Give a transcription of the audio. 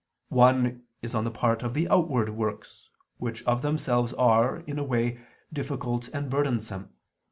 One is on the part of the outward works, which of themselves are, in a way, difficult and burdensome.